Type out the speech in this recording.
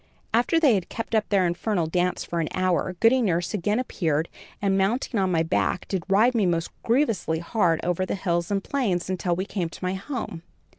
"After they had kept up their infernal dance for an hour, Goody Nurse again appeared and, mounting on my back, did ride me most grievously hard over the hills and plains, until we came to my home.